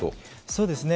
そうですね。